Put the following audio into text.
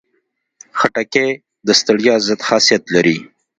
خټکی د ستړیا ضد خاصیت لري.